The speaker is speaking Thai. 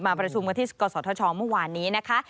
ประชุมกันที่กศธชเมื่อวานนี้นะคะ